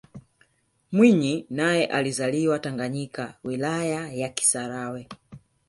mwinyi naye alizaliwa tanganyika wilaya ya kisarawe